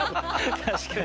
確かに。